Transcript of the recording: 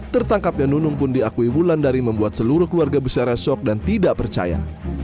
tertangkapnya nunung pun diakui wulandari membuat seluruh keluarga besarnya shock dan tidak percaya